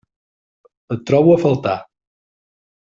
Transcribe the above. Et trobo a faltar.